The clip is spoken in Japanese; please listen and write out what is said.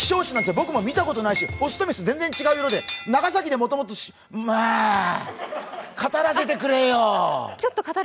僕も見たことないし、オスとメスが全然、違う色で長崎でもともと語らせてくれよ。